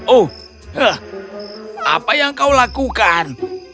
oh apa yang kau lakukan